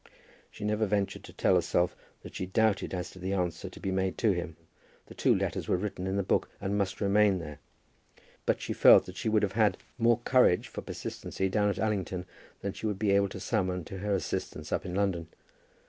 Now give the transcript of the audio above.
She never ventured to tell herself that she doubted as to the answer to be made to him. The two letters were written in the book, and must remain there. But she felt that she would have had more courage for persistency down at Allington than she would be able to summon to her assistance up in London.